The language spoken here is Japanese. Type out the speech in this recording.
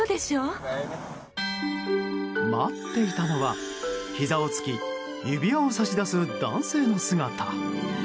待っていたのは、ひざをつき指輪を差し出す男性の姿。